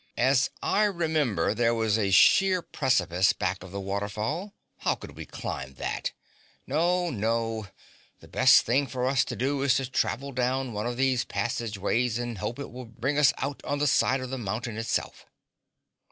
"As I remember there was a sheer precipice back of the waterfall, how could we climb that? No, no! The best thing for us to do is to travel down one of the passageways and hope it will bring us out on the side of the mountain itself."